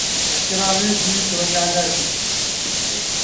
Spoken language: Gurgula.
ڪِچرآ مي جيت هوجآندآ هينٚ۔